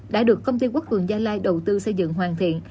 đã được công ty quốc cường gia lai đầu tư xây dựng hoàn thiện